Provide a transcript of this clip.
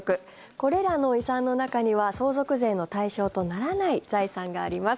これらの遺産の中には相続税の対象とならない財産があります。